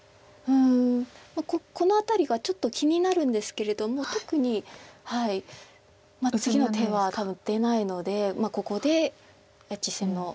この辺りがちょっと気になるんですけれども特に次の手は多分出ないのでここで実戦の形で。